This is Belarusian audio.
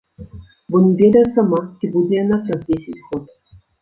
Бо не ведае сама, ці будзе яна праз дзесяць год.